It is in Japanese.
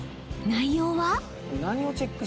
［内容は？］